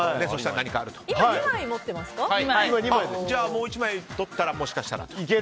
じゃあ、もう１枚とったらもしかしたら。